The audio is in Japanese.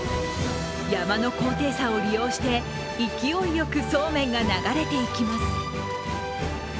山の高低差を利用して勢いよくそうめんが流れていきます。